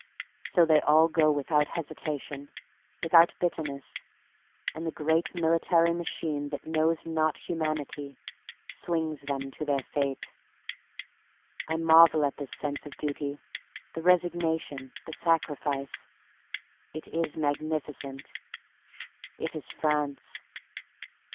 So they all go without hesitation, without bitterness; and the great military machine that knows not humanity swings them to their fate. I marvel at the sense of duty, the resignation, the sacrifice. It is magnificent, it is FRANCE.